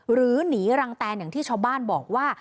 หรือหนีรังแตนอย่างที่ชาวบ้านบอกว่า